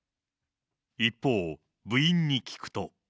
一方、部員に聞くと。